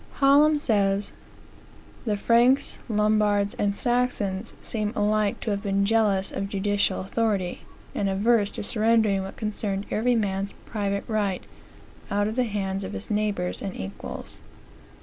Hallam says: "The Franks, Lombards, and Saxons seem alike to have been jealous of judicial authority; and averse to surrendering what concerned every man's private right, out of the hands of his neighbors and equals."